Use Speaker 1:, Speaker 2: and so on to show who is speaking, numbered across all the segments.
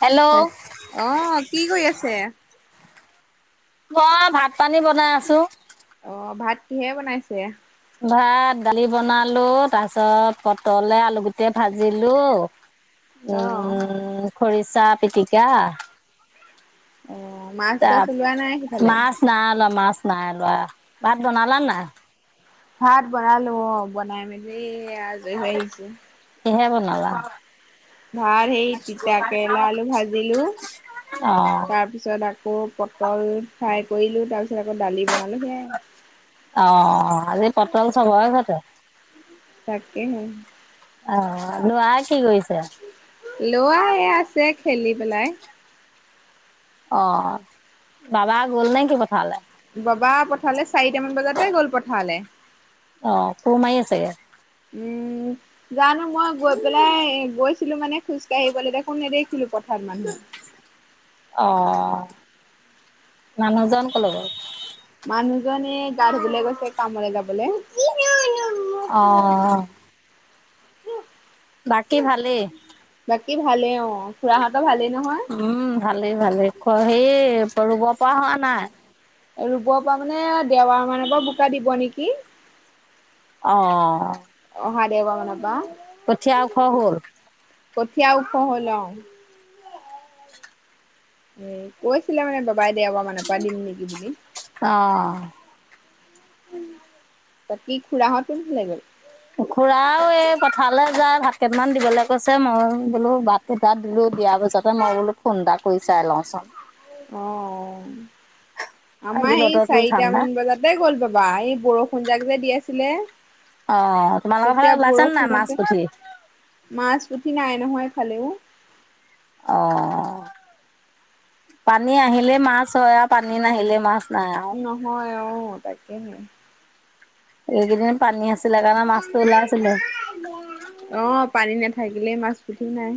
Speaker 1: Hello
Speaker 2: অহ, কি কৰি আছে?
Speaker 1: মই ভাত পানী বনাই আছো।
Speaker 2: অ', ভাত কিহে বনাইছে?
Speaker 1: ভাত দালি বনালো তাৰ পিছত পটলে আলু গুটি ভাজিলো।
Speaker 2: অ'
Speaker 1: উম, খৰিচা পিটিকা
Speaker 2: অ' মাছ
Speaker 1: ত
Speaker 2: চাছ ওলোৱা নাই সিফালে?
Speaker 1: মাছ নাই লোৱা, মাছ নাই লোৱা। ভাত বনালা নাই?
Speaker 2: ভাত বনালো অঁ, বনাই মেলি এই আজৰি হৈ আহিছো।
Speaker 1: কিহে বনালা?
Speaker 2: ভাত সেই তিতা কেৰেলা আলু ভাজিলো
Speaker 1: অ
Speaker 2: তাৰ পিছত আকৌ পটল ফ্ৰাই কৰিলো তাৰ পিছত আকৌ দালি বনালো সেয়াই।
Speaker 1: অঁ, আজি পটল চবৰে ঘৰতে।
Speaker 2: তাকেহে।
Speaker 1: অ', লৰায়ে কি কৰিছে?
Speaker 2: লৰা এই আছে খেলি পেলাই।
Speaker 1: অ', বাবা গ'ল নে কি পথাৰলে?
Speaker 2: বাবা পথাৰলৈ চাৰিটামান বজাতে গ'ল পথাৰলৈ।
Speaker 1: অঁ, কুৰ মাৰি আছেগে?
Speaker 2: উম, জানো মই গৈ পেলাই গৈছিলো মানে খোজকাঢ়িবলৈ দেখোন নেদেখিলো পথাৰত মানুহ।
Speaker 1: অ', মানুহজন কলৈ গল?
Speaker 2: জন গা ধুবলৈ গৈছে কামলে যাবলে।
Speaker 1: অ বাকী ভালেই।
Speaker 2: ভালে অঁ, খুৰাহত
Speaker 1: উম ভালেই ভালেই, খ সেই ৰুব পৰা হোৱা নাই?
Speaker 2: ৰুবৰ পৰা মানে দেওবাৰ মানৰ পৰা বোকা দিব নেকি!
Speaker 1: অঁ।
Speaker 2: অহা দেওবাৰ মানৰ পৰা।
Speaker 1: কঠীয়া ওখ হল?
Speaker 2: কঠীয়া ওখ হল অঁ। উম, কৈছিলে মানে বাবাই দেওবাৰ মান পৰা দিম নেকি বুলি।
Speaker 1: অঁ।
Speaker 2: বাকী খুৰাহঁত কলৈ গ'ল?
Speaker 1: খুৰাও এই পথাৰলৈ যায় ভাত কেইটামমান দিবলৈ কৈছে মই বোলো বাটটো [unintelligible] দিয়াৰ পিছতেহ মই বোলো ফোন এটা কৰি চাই লওঁচোন।
Speaker 2: অ আমাৰ
Speaker 1: আজি
Speaker 2: সেই
Speaker 1: বতৰতো
Speaker 2: চাৰিটা
Speaker 1: ঠাণ্ডা
Speaker 2: মান বজাতে গ'ল বাবা এই বৰষুণ যাক যে দি আছে আছিলে,
Speaker 1: অ' তোমালোকৰ ফালে
Speaker 2: তেতিয়া
Speaker 1: ওলাইছে নে নাই মাছ
Speaker 2: বৰষুণতে,
Speaker 1: পুঠি
Speaker 2: মাছ চুটি নাই নহয় এইফালেও।
Speaker 1: অ', পানী আহিলে মাছ হয় আৰু পানী নাহিলে মাছ নাই আৰু
Speaker 2: নহয় অহ তাকেহে।
Speaker 1: এইকেইদিন পানী আছিলে কাৰণে মাছটো ওলাই আছিলে।
Speaker 2: অ [unintelligible] মাছ পুঠি নাই।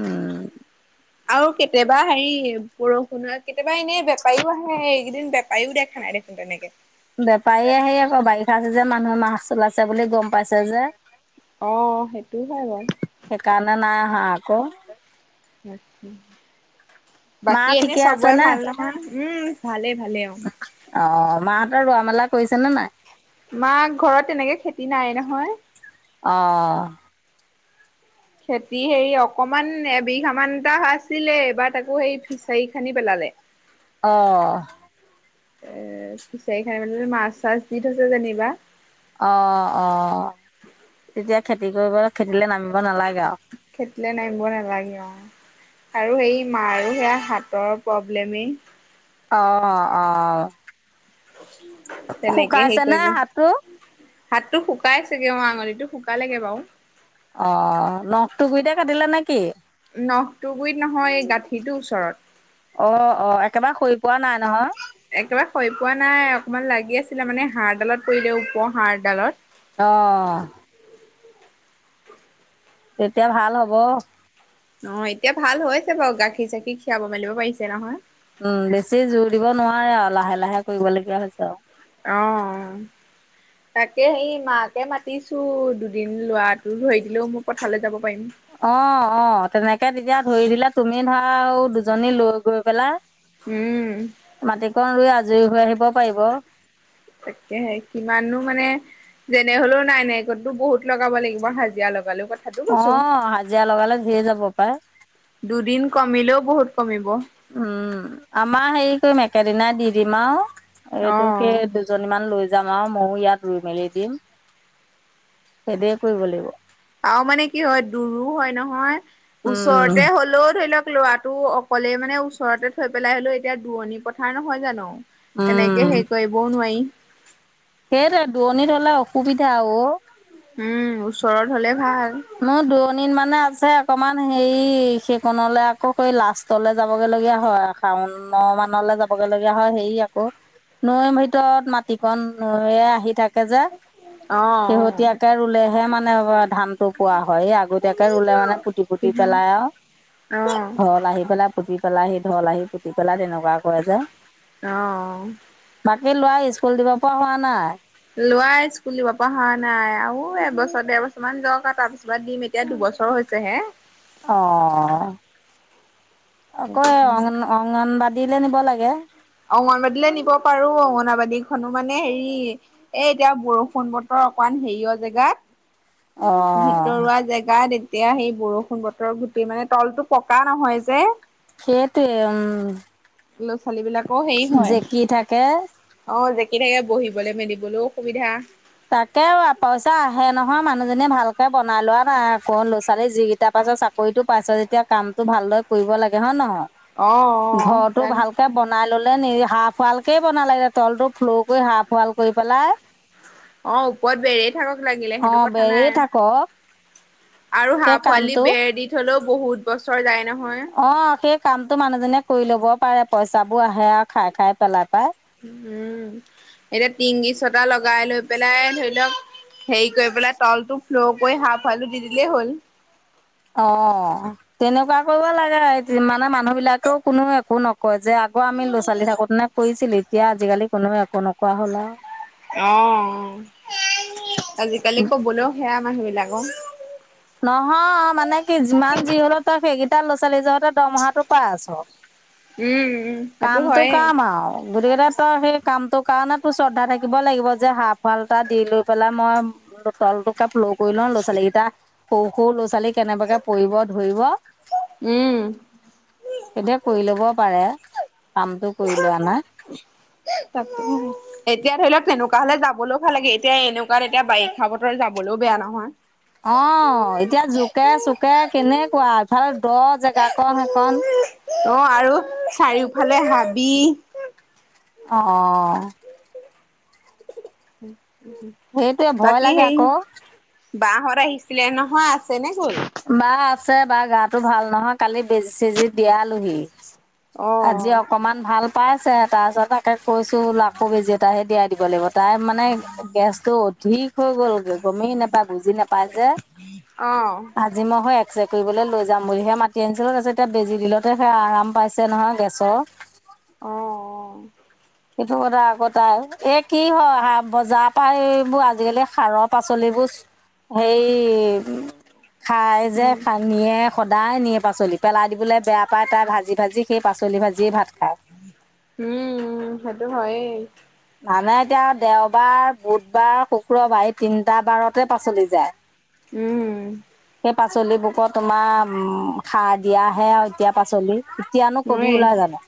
Speaker 1: উম।
Speaker 2: আৰু কেতিয়াবা হেৰি বৰষুণ কেতিয়াবা এনেই বেপাৰীও আহে এইকেইদিন বেপাৰীও দেখা নাই। [unintelligible] দেখোন তেনেকেই।
Speaker 1: বেপাৰী আহি আকৌ বাৰিষা ছিজন মানুহে মাছ ওলাইছে বুলি গম পাইছে যে।
Speaker 2: অহ সেইটোও হয় বাৰু
Speaker 1: হয় আকৌ
Speaker 2: আতছা
Speaker 1: [inaudible] মা ঠিকে আছে নে
Speaker 2: উম ভালে ভালে অ
Speaker 1: অ মাহঁতৰ ৰোৱা মেলা হৈছে নে নাই
Speaker 2: মাক ঘৰত তেনেকে খেতি নাই নহয়
Speaker 1: অহ
Speaker 2: খেতি হেৰি অকমান এবিঘাামানটা আছিলে এইবাৰ তাকো সেই ফিচাৰী খানি পেলাল লে।
Speaker 1: অঁ।
Speaker 2: এ ফিচাৰি খানি মানে মাছ চাছ দি থৈছে যেনিবা।
Speaker 1: অ', অ', তেতিয়া খেতি কৰিব খেতিলৈ নামি
Speaker 2: খেতিলে নামিব নালাগে অঁ। আৰু সেই মাৰও সেয়া হাতৰ প্ৰব্লেমেই।
Speaker 1: অঁ, অঁ, অঁ।
Speaker 2: তেনেকে হে কৰিব
Speaker 1: হাতটো
Speaker 2: হাতটো শুকাই চগে অ আঙুলিটো শুকালেগে বাৰু
Speaker 1: অ নখটো গুইতে কাটিলে নে কি
Speaker 2: নখটো গুৰিত নহয় এই গাঁঠিটোৰ ওচৰত
Speaker 1: অ অ একেবাৰে শুই পোৱা নাই নহয়
Speaker 2: একেবাৰে হৈ পোৱা নাই অকমান লাগি আছিলে মানে হাড়ডালত পৰিলে ওপৰ হাড়ডালত
Speaker 1: অহ তেতিয়া ভাল হব
Speaker 2: অ এতিয়া ভাল হৈছে বাৰু গাখীৰ চাখীৰ খীৰাব মেলিব পাৰিছে নহয়
Speaker 1: উম বেছি জোৰ দিব নোৱাৰে আৰু লাহে লাহে কৰিবলগীয়া হৈছে আৰু
Speaker 2: অহ তাকে সেই মাকে মাতিছো দুদিন লৰাটো ধৰি দিলেও মোৰ পথাললৈ যাব পাৰিম
Speaker 1: অ অ তেনেকে তেতিয়া ধৰি দিলে তুমি ধৰা দুজনী লৈ গৈ পেলা
Speaker 2: উম
Speaker 1: আ জী হৈ আহিব পাৰিব।
Speaker 2: তাকেহে কিমানো মানে যেনে হলেও নাই নাইিকতো বহুত লগাব লাগিব হাজিৰা লগ কথাটো কৈছো
Speaker 1: অ', হাজিৰা লগালে ধেৰ যাব পাই।
Speaker 2: দুদিন কমিলেও বহুত কমিব
Speaker 1: উম আমাৰ হেৰি কৰিম একেদনা দি দিম আৰু
Speaker 2: অ
Speaker 1: এইটো সেই দুজনীমানান লৈ যাম আৰু ময়ো ইয়াত ৰুই মেলি দিম সেইদে কৰিব লাগিব
Speaker 2: আৰু মানে কি হয় দূৰো হয় নহয়
Speaker 1: উম,
Speaker 2: ওচৰতে হলেও ধৰি লওক ল'ৰাটো অকলেই মানে ওচৰতে থৈ পেলাই হলেোও এতিয়া দৰণি পথাৰ নহয় জানো তেনেকে হেৰি কৰিবও নোৱাৰি
Speaker 1: সেইত দূৱণিত হলে অসুবিধা অ
Speaker 2: উম ওচৰত হ'লে ভাল
Speaker 1: ন দুৰণিত মানে ত যে অকমান হেৰি সেইকনলে আকৌ কৰি লাষ্টলৈ যাবগে লগগীয়া হয় শাউনত ভানলৈ যাবগে লগগা হয় হেৰি আকৌ নৈৰ ভিতৰত মাটিকন নৈয়ে আহি থাকে যে
Speaker 2: অ
Speaker 1: শেহতীয়াকে ৰুলেহে মানে ধানটো কোৱা হয় স আগতীয়াকে ৰুলে মানে পুতি পুতি পেলাই আৰু
Speaker 2: অ
Speaker 1: ঘল আহি পেলাই পুতি পেলাই আহিঢল আহি পুতি পেলাই তেনেকুৱা কৰে যে
Speaker 2: আহ
Speaker 1: সেই ল'ৰা স্কুল দিব পৰা হোৱা নাই
Speaker 2: লোৱ স্কুলিব পৰা হোৱা নাই আৰু এবছৰ ডৰ বছৰ মান যাক আৰু তাৰ পিছত দিম এতিয়া দুবৰ বছৰ হৈছে হে
Speaker 1: অ আকৌ অ অংগনবাদ দিলে নিব লাগে
Speaker 2: অংগনবাদী নিব পাৰো অংগনবাদীখনো মানে হেৰি এ এতিয়া বৰষুণ বতৰ অকমান হেৰিয়
Speaker 1: অ
Speaker 2: জেগাত ভিতৰুৱা জেগাত এতিয়া সেই বৰষুণ বতৰ গুটি মানে তলতটো পকা নহয় যে
Speaker 1: সেইটোৱ উম
Speaker 2: ল'ৰা ছোৱালী বিলাকৰ হেৰি
Speaker 1: জেকি থাকে
Speaker 2: হয় অ এনোকে বহিবলৈ মেলিবলৈও অসুবিধা
Speaker 1: তাকে পইচা আহে নহয় মানুহজনীয়ে ভালকে বনাই লোৱা ক লৈছো ছোৱালী যিকেইটা পাইছ চাকৰিটো পাইছ যেতিয়া কামটো ভালদৰে কৰিব লাগে হয় ন নহয়
Speaker 2: অ অ
Speaker 1: ঘৰটো
Speaker 2: জান
Speaker 1: ভালকে বনাই ললো নি হাঁফ ৱালকে বনাল লাগে তলটো ফ্ল' কৰি হাঁফ ৱাল কৰি পেলাই
Speaker 2: অ ওপৰত বেৰেয় থাকক লাগিলে
Speaker 1: অ
Speaker 2: সেইটো কথা
Speaker 1: বেৰি
Speaker 2: নাই
Speaker 1: থাকক
Speaker 2: আৰু
Speaker 1: সেই
Speaker 2: হাঁহ পোৱালি
Speaker 1: কামটো
Speaker 2: বেৰ দি থলেও বহুত ব্তৰ
Speaker 1: অ সেই কামতো মানুহ জীয়ে কৰি ল'বও পাৰে পইচাবোৰ আহে আৰু খাই খাই পেলাই পাই
Speaker 2: উম এতিয়া টিংগি চটা লগাই লৈ পেলাই ধৰি লওক হেৰি কৰি পেলাই তলটো ফ্ল' কৰি সফ আলু দি দিলেই হ'ল
Speaker 1: অ', তেনেকুৱা কৰিব লাগে মানে মানুহ বিলাকেও কোনো একো নকয় যে আগ আমি ল'ৰা ছোৱালী থাকোতে নে কৰিছিলো এতিয়া আজিকালি কোনোবা একো নকোৱা হ'লা
Speaker 2: অ আজিকালি কবলৈও সেয়া মানুহ বিলাকৰ
Speaker 1: নহয় মানে কি যিমান যি হল তই সেইকেইটা তাৰ ল'ৰা ছোৱালীঁহতে দৰমহাটো পাই আছো
Speaker 2: উম, উম। সেইটো
Speaker 1: কামটো
Speaker 2: হয়ে।
Speaker 1: কাম আৰু গোটকেইটা তই সেই কাম তোৰ কাৰণে তোৰ শ্ৰদ্ধা থাকিব লাগিব যে হাঁফ হাল এটা দি লৈ পেলাই মই তল টো কাপ ল কৰি লওঁ ল'ৰা ছোৱালীকেইটা সৰু সৰু লৰা ছোৱালী কেনেবাকে পৰিব ধৰিব
Speaker 2: উম।
Speaker 1: এতিয়া কৰি লব পাৰে কামটো কৰি লোৱা নাই।
Speaker 2: তাক এতিয়া ধৰি লওক সেনেকুৱা হলে যাবলৈও ভাল লাগে এতিয়া এনেকুৱাত এতিয়া বাৰিষা বতৰে যাবলৈও বেয়া নহয়
Speaker 1: অ এতিয়া জোকে চোকে কেনেকুৱা ইফালে দ জেগাক সেইখন
Speaker 2: অ আৰু চাৰিওফালে হাবি
Speaker 1: অ সেইটোৱে ভয়
Speaker 2: বাকী
Speaker 1: লাগে
Speaker 2: সেই
Speaker 1: আকৌ।
Speaker 2: বাঁহত আহিছিলে নহয় আছেনে
Speaker 1: বা আছে বাাৰ গাটো ভাল নহয় কালি বেজি চেজী বিয়ালোহি আজি
Speaker 2: অ'।
Speaker 1: অকমান ভাল পাইছে তাৰপিছত তাকে কৈছো সৌবেজি এটাহে দিয়াই দিব লাগিব তাই মানে গেছতটো অধিক হৈ গ'ল গমেই নোপায় বুজি নেপাজে
Speaker 2: অ
Speaker 1: আজি মই হৈ এক চে কৰিবলৈ লৈ যাম বুলিহে মাতি আনিছিলোঁ এতিয়া বেজি দিওঁতে সে আৰাম পাইছে নহয় গেছৰ
Speaker 2: আহ
Speaker 1: সেইটো কথা আ তাই এ কি হয় বজাৰ পৰা এইবোৰ আজিকালি সাৰৰ পাচলিবোৰ সেই খাই যে
Speaker 2: উম
Speaker 1: খানিয়ে সদায় নিয়ে পাচলি পেলাই দিবলৈ বেয়া পায় তাই ভাজি ভাজি সেই পাচলি ভাজিয়ে ভাত খায়
Speaker 2: উম সেইটো হয়েই
Speaker 1: মানে এতিয়া দেওবাৰ বুধবাৰ শুক্ৰবাৰ এই তিনিটা বাৰতে পাচলি যায়
Speaker 2: উম
Speaker 1: পাচলিবোৰোত তোমাৰ সাৰ দিয়া। হে আৰু এতিয়া পাচলি, এতিয়ানো কবি
Speaker 2: হয়ে
Speaker 1: ওলাই জানো।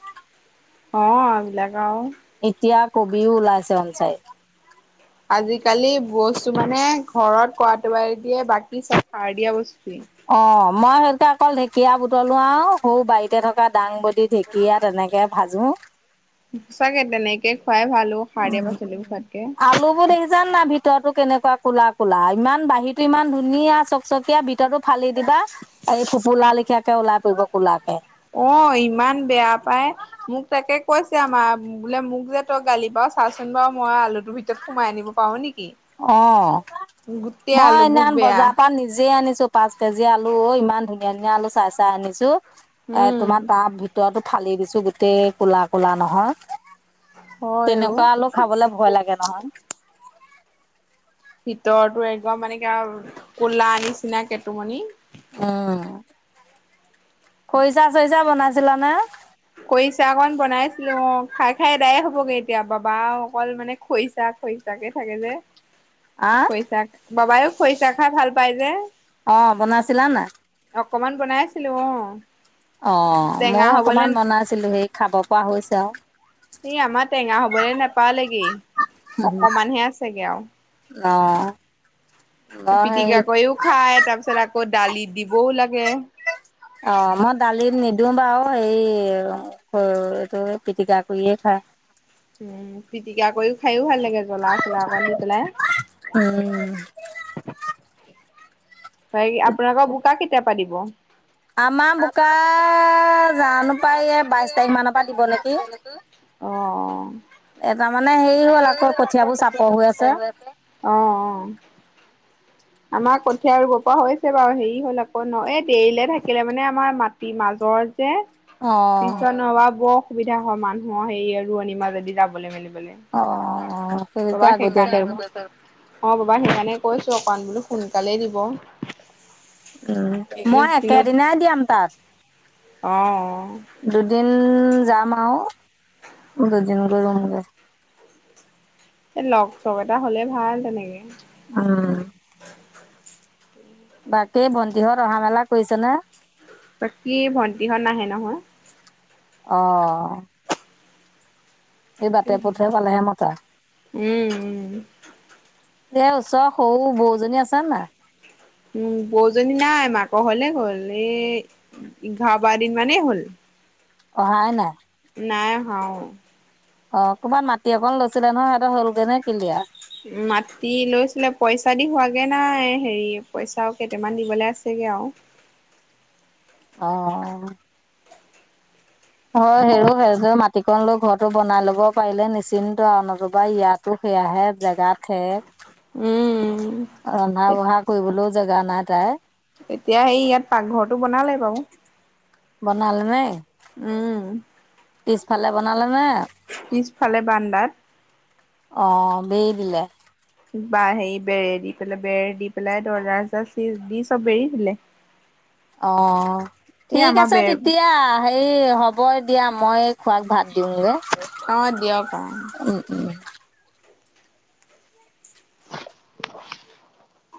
Speaker 2: গাওঁ
Speaker 1: এতিয়া কবিও ওলাইছে আনছাই।
Speaker 2: আজিকালি বস্তু মানে ঘৰত কৰাটোৰ বাদে বাকি চব সাৰ দিয়া বস্তু।
Speaker 1: অ' মই সেইতে অকল ঢেকীয়া বু বুতলো আৰু সৌ বাৰীতে থকা দাংবদি ঢেঁকীয়া তেনেকে ভাজো।
Speaker 2: সঁচাকে তেনেকে খুৱাই ভাল অ সাৰ দিয়া
Speaker 1: উম
Speaker 2: পাচলিবোৰ খোৱাতকে
Speaker 1: আলু বোৰ দেখিছান না ভিতৰতো কেনেকুৱা কোলা কোলা ইমান বাহিৰতো ইমান ধুনীয়া চকচকীয়া ভিতৰতো ফালি দিবা এই ফোপোলা ওলাই পৰিব কোলাকে
Speaker 2: অ ইমান বেয়া পাই মোক তাকে কৈছে আমাৰ বোলে মোক যে তই গালি চাচোন বাৰু মই আলুটোৰ ভিতৰত সোমাই আনিব পাৰো নেকি
Speaker 1: অ
Speaker 2: গোটেই
Speaker 1: মই সেইদিনা
Speaker 2: আলুবোৰ বেয়া
Speaker 1: বজাৰ পৰা নিজে আনিছো পাঁচ কেজি আলু অ ইমান ধুনীয়া ধুনীয়া আলু চাই চাই আনিছো এ
Speaker 2: উম
Speaker 1: তোমাৰ তাৰ ভিতৰতো ফালি দিছোঁ গোটেই ক'লা ক'লা নহয়
Speaker 2: হয় অ
Speaker 1: তেনেকুৱা আলু খাবলে ভয় লাগে নহয়
Speaker 2: ভিতৰতো একদম মানে কিবা ক'লা নিচিনা কেটুমণি।
Speaker 1: উম খৰিচা চৰিচা বনাইছিলা নে?
Speaker 2: খৰিচা অকণ বনাইছিলো, অ' খাই খাই আদায় হ'বগৈ এতিয়া, বাবা অকল মানে খৰিছা খৰিছা তাতে থাকে যে,
Speaker 1: আহ
Speaker 2: খৰিচা বাবায়েও খৰিচা খাই ভাল পায় যে।
Speaker 1: অ' বনাইছিলা নাই?
Speaker 2: ছিলো, অ'
Speaker 1: অ'
Speaker 2: টেঙা
Speaker 1: মইও অকমান বনাইছিলো, সেই খাব পৰা হৈছে আৰু।
Speaker 2: এ আমাৰ টেঙা হবলৈ নেপালেগে। অকমানহে আছেগে আৰু।
Speaker 1: অ' মই হেৰি
Speaker 2: পিটিকাকৈও খাই, তাৰ পিছত আকৌ দালিত দিবও লাগে
Speaker 1: দিওঁ বাৰু, হেৰি সৰুটো পিটিকা কৰিয়ে খায়।
Speaker 2: উম, পিটিকা কৰি খায়ো ভাল লাগে। জলা চলা অকমান দি পেলাই
Speaker 1: উম
Speaker 2: হয়, আপোনালোকৰ বোকা কেতিয়াৰ পৰা দিব
Speaker 1: উ [unintelligible] আমাৰ বোকা জানো পাই বাইশ তাৰিখ মানৰ পৰা দিব নেকি।
Speaker 2: অ
Speaker 1: [unintelligible] হেৰি হ'ল আকৌ কঠিয়াবোৰ চাপৰ হৈ আছে
Speaker 2: [unintelligible] [inaudible] অ অ আমাক কঠিয়া ৰুব পৰা হৈছে বাৰু, হেৰি হ'ল আকৌ ন এই দেৰিলে থাকিলে মানে আমাৰ মাটিৰ মাজৰ
Speaker 1: অ
Speaker 2: পিছত নহবা বৰ অসুবিধা হয়, মানুহৰ সেই ৰোৱনী মাজদি যাবলৈ
Speaker 1: অ
Speaker 2: মেলিব অব
Speaker 1: সেইটোকে আগতীয়াকে
Speaker 2: সেইকাৰণে
Speaker 1: ৰুব
Speaker 2: [unintelligible] অ' বাবা সেইকাৰণে কৈছো অকণ বোলো সোনকালেই দিব।
Speaker 1: উম মই একেদিনাই দিয়াম তাত।
Speaker 2: অঁ অঁ
Speaker 1: ওঁ যাম আৰু দুদিন গৈ ৰুমগৈ।
Speaker 2: এ লগ চগ এটা হ'লে ভাল তেনেকে।
Speaker 1: অঁ বাকী ভন্টিহ'ত অহা মেলা কৰিছে নে?
Speaker 2: বাকী ভন্টিহ'ত নাহে নহয়।
Speaker 1: অঁ এই বাটে পথহে পালেহে মতে।
Speaker 2: উম উম
Speaker 1: এ ওচৰৰ সৰু বৌ
Speaker 2: উম, বৌজনী নাই মাক ঘৰলে গ'ল, এ এঘাৰ বাৰ দিন মানেই হ'ল।
Speaker 1: অহায়ে নাই?
Speaker 2: নাই অহা অঁ।
Speaker 1: অ', কৰবাত মাটি অকন লৈছিলে নহয় সিহঁতে হলগেনে কিলিয়েৰ?
Speaker 2: মাতি লৈছিলে পইচা দি হোৱাগে নাই, হেৰি পইচাও কেইটামান দিবলে আছে। এওঁ।
Speaker 1: অঁ। হয় হেৰ হে মাটিকন লগ ঘৰটো বনাই ল'ব পাৰিলে নিচিন্ত আৰু, নতুবা ইয়াতো সেয়াহে জেগা থেক।
Speaker 2: উম।
Speaker 1: ৰন্ধা বঢ়া কৰিবলৈও জেগা নাই তাইৰ।
Speaker 2: এতিয়া সেই ইয়াত পাকঘৰটো বনালে বাৰু।
Speaker 1: বনাল নে
Speaker 2: উম
Speaker 1: পিছফালে বনালে নে
Speaker 2: পিছফালে বাৰান্দাত
Speaker 1: অ', বেৰি দিলে।
Speaker 2: বাঁহ সে বেৰে দি পেলাই, বেৰ দি পেলাই দৰ্জা চৰ্যা দি চব বেৰি দিলে।
Speaker 1: অ',
Speaker 2: এই
Speaker 1: ঠিক
Speaker 2: আমাৰ
Speaker 1: আছে
Speaker 2: বেৰ
Speaker 1: তেতিয়া হে হ'ব দিয়া, মই খোৰাক ভাত দিওঁগৈ,
Speaker 2: অ' দিয়ক অ'।
Speaker 1: উম, উম।
Speaker 2: [inaudible]